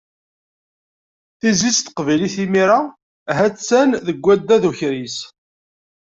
Tizlit n teqbaylit imir-a, ha-tt-an deg waddad ukris.